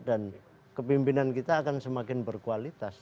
dan kepimpinan kita akan semakin berkualitas